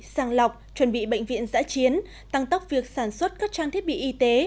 sàng lọc chuẩn bị bệnh viện giã chiến tăng tốc việc sản xuất các trang thiết bị y tế